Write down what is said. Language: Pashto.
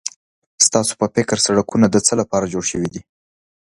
ستاسو په فکر سړکونه د څه لپاره جوړ شوي دي؟